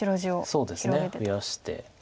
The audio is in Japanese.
そうですね増やして。